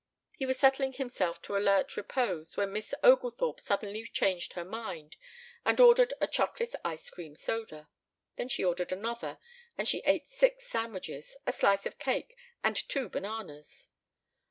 He was settling himself to alert repose when Miss Oglethorpe suddenly changed her mind and ordered a chocolate ice cream soda. Then she ordered another, and she ate six sandwiches, a slice of cake and two bananas.